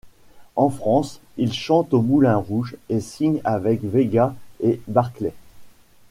En France, ils chantent au Moulin Rouge et signent avec Véga et Barclay.